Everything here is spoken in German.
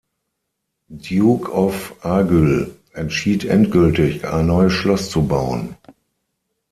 Duke of Argyll, entschied endgültig, ein neues Schloss zu bauen.